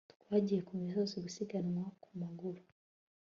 twagiye ku misozi gusiganwa ku maguru